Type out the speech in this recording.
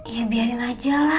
ya biarin aja lah